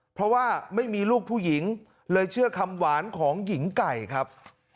เพราะว่าไม่มีลูกผู้หญิงเลยเชื่อคำหวานของหญิงไก่ครับ